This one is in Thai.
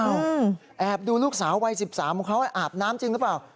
แอบดูลูกสาววัย๑๓ของเขาอาบน้ำจริงหรือเปล่า